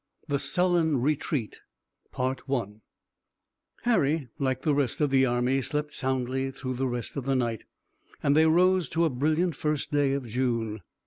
THE SULLEN RETREAT Harry, like the rest of the army, slept soundly through the rest of the night and they rose to a brilliant first day of June.